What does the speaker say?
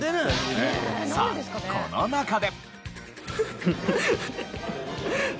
さあこの中で。